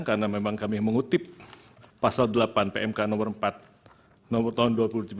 karena memang kami mengutip pasal delapan pmk nomor empat tahun dua ribu dua puluh tiga